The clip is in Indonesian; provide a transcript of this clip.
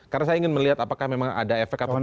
karena saya ingin melihat apakah memang ada efek atau tidak